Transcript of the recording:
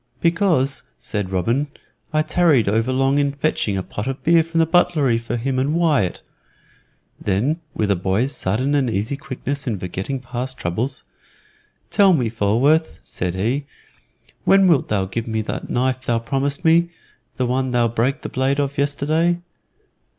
"Because," said Robin, "I tarried overlong in fetching a pot of beer from the buttery for him and Wyatt." Then, with a boy's sudden and easy quickness in forgetting past troubles, "Tell me, Falworth," said he, "when wilt thou give me that knife thou promised me the one thou break the blade of yesterday?"